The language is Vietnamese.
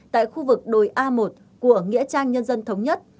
tại khu vực đồi a một của nghĩa trang nhân dân thống nhất